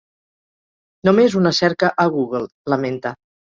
Només una cerca a Google, lamenta.